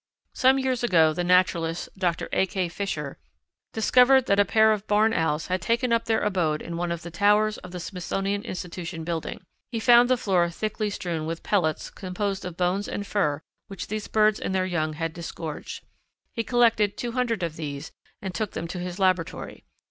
Some years ago the naturalist, Dr. A. K. Fisher, discovered that a pair of Barn Owls had taken up their abode in one of the towers of the Smithsonion Institution building. He found the floor thickly strewn with pellets composed of bones and fur which these birds and their young had disgorged. He collected two hundred of these and took them to his laboratory.